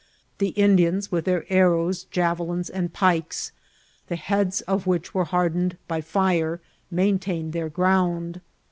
The Indians, with their arrows, javelins, and pikes, the heads of which were hardened by fire, main tained their ground.